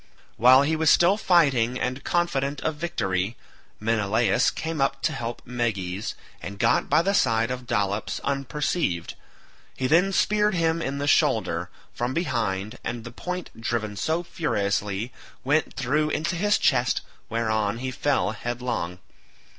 While he was still fighting and confident of victory, Menelaus came up to help Meges, and got by the side of Dolops unperceived; he then speared him in the shoulder, from behind, and the point, driven so furiously, went through into his chest, whereon he fell headlong.